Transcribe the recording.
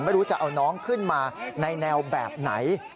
ไม่รู้จะเอาน้องขึ้นมาในแนวแบบไหน